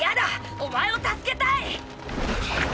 お前を助けたい！